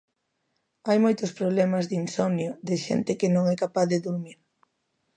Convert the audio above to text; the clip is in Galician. Hai moitos problemas de insomnio, de xente que non é capaz de durmir.